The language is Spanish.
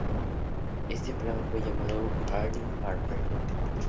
Este plan fue llamado Jardine Paper.